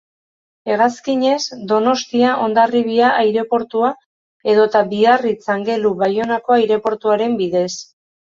Hegazkinez, Donostia-Hondarribia aireportua edota Biarritz-Angelu-Baionako aireportuaren bidez.